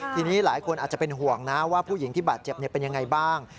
ทีนี้หลายคนอาจจะเป็นห่วงนะว่าผู้หญิงที่บาดเจ็บเป็นยังไงบ้าง